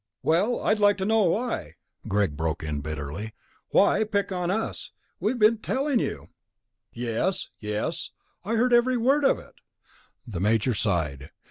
"Well, I'd like to know why," Greg broke in bitterly. "Why pick on us? We've just been telling you...." "Yes, yes, I heard every word of it," the Major sighed.